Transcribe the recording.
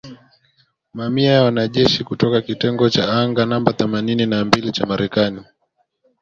Mamia ya wanajeshi kutoka kitengo cha anga namba thamanini na mbili cha Marekani.